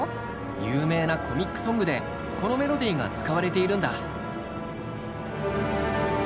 有名なコミックソングでこのメロディーが使われているんだ。